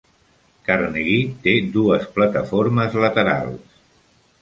Carnegie té dues plataformes laterals.